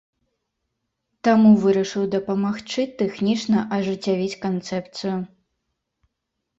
Таму вырашыў дапамагчы тэхнічна ажыццявіць канцэпцыю.